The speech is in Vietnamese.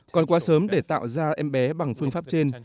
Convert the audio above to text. còn quá sớm để tạo ra em bé bằng phương pháp trên